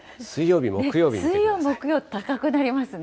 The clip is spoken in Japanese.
水曜、木曜、高くなりますね。